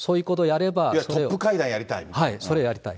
いわゆるトップ会談やりたい。